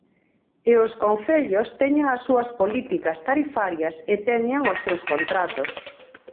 E os concellos teñen as súas políticas tarifarias e teñen os seus contratos.